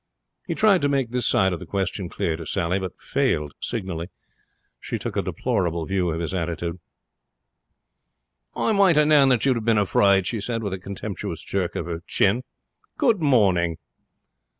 He tried to make this side of the question clear to Sally, but failed signally. She took a deplorable view of his attitude. 'I might have known you'd have been afraid,' she said, with a contemptuous jerk of her chin. 'Good morning.'